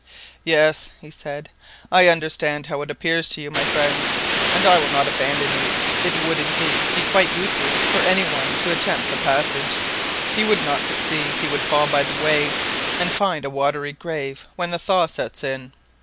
"Yes," he said, "I understand how it appears to you, my friends, and I will not abandon you. It would, indeed, be quite useless for any one to attempt the passage; he would not succeed, he would fall by the way, and find a watery grave when the thaw sets in.